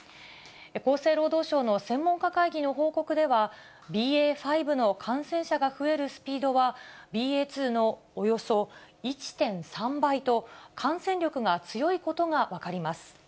厚生労働省の専門家会議の報告では、ＢＡ．５の感染者が増えるスピードは、ＢＡ．２のおよそ１．３倍と、感染力が強いことが分かります。